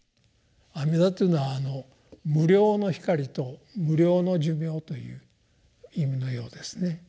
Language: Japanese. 「阿弥陀」というのは「無量の光」と「無量の寿命」という意味のようですね。